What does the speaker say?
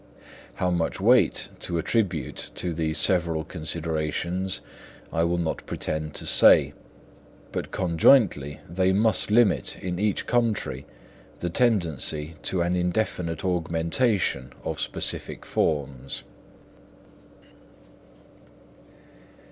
How much weight to attribute to these several considerations I will not pretend to say; but conjointly they must limit in each country the tendency to an indefinite augmentation of specific forms.